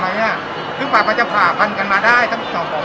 เพราะว่าอาจจะผ่านพันกันมาได้ถ้ามีสองหรอก